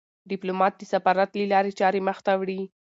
ډيپلومات د سفارت له لارې چارې مخ ته وړي.